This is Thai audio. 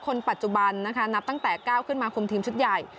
คนปัจจุบันนะคะนับตั้งแต่ก้าวขึ้นมาคุมทีมชุดใหญ่